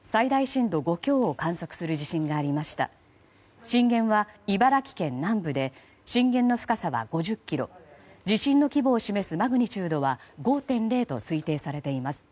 震源は茨城県南部で震源の深さは５０ｋｍ地震の規模を示すマグニチュードは５．０と推定されています。